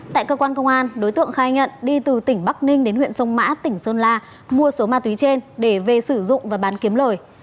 tại cơ quan công an đối tượng khai nhận đi từ tỉnh bắc ninh đến huyện sông mã tỉnh sơn la mua số ma túy trên để về sử dụng và bán kiếm lời